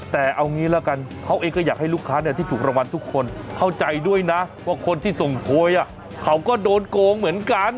แต่เอางี้ละกันเขาเองก็อยากให้ลูกค้าที่ถูกรางวัลทุกคนเข้าใจด้วยนะว่าคนที่ส่งโพยเขาก็โดนโกงเหมือนกัน